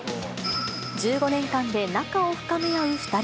１５年間で仲を深め合う２人。